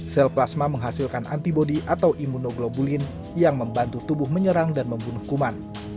sel plasma menghasilkan antibody atau imunoglobulin yang membantu tubuh menyerang dan membunuh kuman